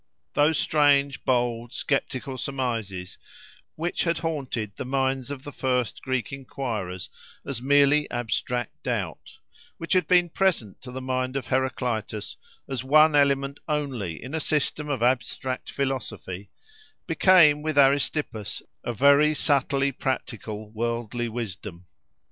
Those strange, bold, sceptical surmises, which had haunted the minds of the first Greek enquirers as merely abstract doubt, which had been present to the mind of Heraclitus as one element only in a system of abstract philosophy, became with Aristippus a very subtly practical worldly wisdom.